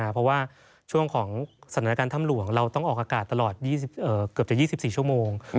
เพราะว่าช่วงของสถานการณ์ถ้ำหลวงเราต้องออกอากาศตลอดเกือบจะ๒๔ชั่วโมง